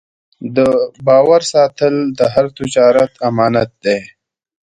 د باور ساتل د هر تجارت امانت دی.